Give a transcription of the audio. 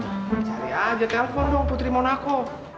cari aja telepon dong putri monaco